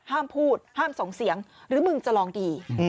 ห้ามพูดห้ามส่งเสียงหรือมึงจะลองดี